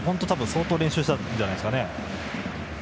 相当練習したんじゃないですかね。